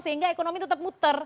sehingga ekonomi kita bisa berhasil